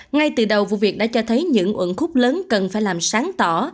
ngay từ đầu vụ việc đã cho thấy những uẩn khúc lớn cần phải làm sáng tỏ